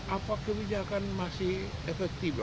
apa kebijakan masih efektif